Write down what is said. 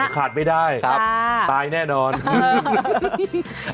ขาดไม่ได้ตายแน่นอนครับ